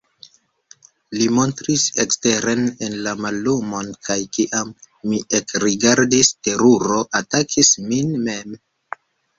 Li montris eksteren en la mallumon, kaj kiam mi ekrigardis, teruro atakis min mem.